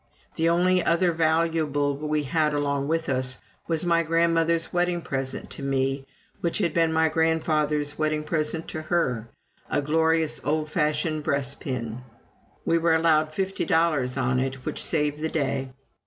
The only other valuable we had along with us was my grandmother's wedding present to me, which had been my grandfather's wedding present to her a glorious old fashioned breast pin. We were allowed fifty dollars on it, which saved the day.